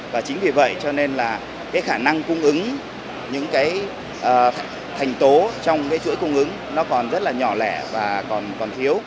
và chính vì vậy cho nên là cái khả năng cung ứng những cái thành tố trong cái chuỗi cung ứng nó còn rất là nhỏ lẻ và còn thiếu